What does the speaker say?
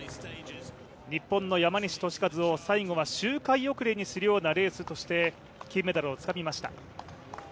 日本の山西利和は最後は周回遅れにするようなレースにして金メダルをつかみました。